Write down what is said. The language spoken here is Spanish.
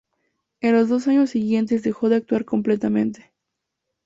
En los dos años siguientes dejó de actuar completamente.